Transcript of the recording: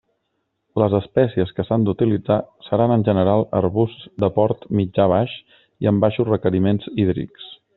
Les espècies que s'han d'utilitzar seran en general arbusts de port mitjà-baix i amb baixos requeriments hídrics.